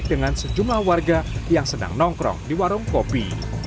dengan sejumlah warga yang sedang nongkrong di warung kopi